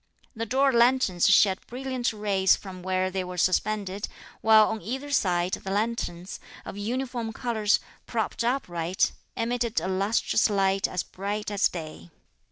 The door lanterns shed brilliant rays from where they were suspended; while on either side the lanterns, of uniform colours, propped upright, emitted a lustrous light as bright as day.